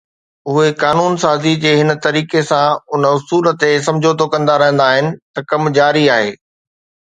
اهي قانون سازي جي هن طريقي سان ان اصول تي سمجهوتو ڪندا رهندا آهن ته ڪم جاري آهي